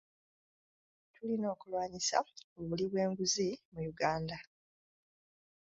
Tulina okulwanyisa obuli bw'enguzi mu Uganda.